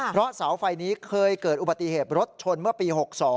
เพราะเสาไฟนี้เคยเกิดอุบัติเหตุรถชนเมื่อปี๖๒